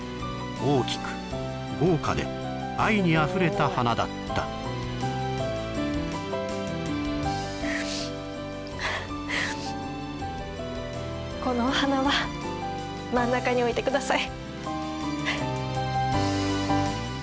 大きく豪華で愛にあふれた花だったこのお花は真ん中に置いてください